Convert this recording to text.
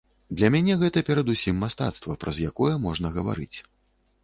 Для мяне гэта перадусім мастацтва, праз якое можна гаварыць.